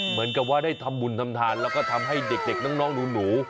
เหมือนกับว่าได้ทำบุญทำทานแล้วก็ทำให้เด็กน้องหนู